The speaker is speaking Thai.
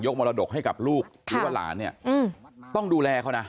มรดกให้กับลูกหรือว่าหลานเนี่ยต้องดูแลเขานะ